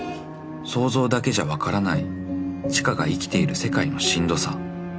［想像だけじゃ分からない知花が生きている世界のしんどさ］